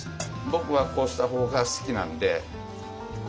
僕はこうした方が好きなんで。